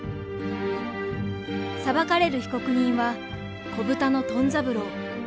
裁かれる被告人はこぶたのトン三郎。